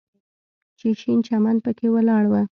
چې شين چمن پکښې ولاړ و.